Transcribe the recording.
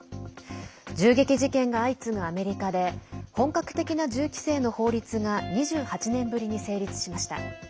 銃撃事件が相次ぐアメリカで本格的な銃規制の法律が２８年ぶりに成立しました。